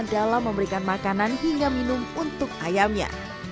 dalam memberikan makanan hingga minum untuk ayamnya